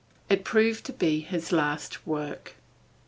It proved to be his last work.